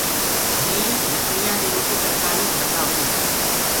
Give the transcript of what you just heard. همينٚ لڪڙيآندي روٽي ترڪآري گھڙدآ هيونٚ۔